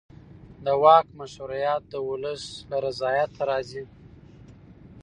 د واک مشروعیت د ولس له رضایت راځي